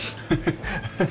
ハハハッ。